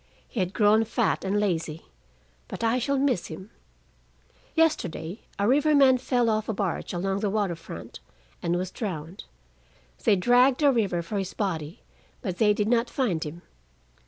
He had grown fat and lazy, but I shall miss him. Yesterday a riverman fell off a barge along the water front and was drowned. They dragged the river for his body, but they did not find him.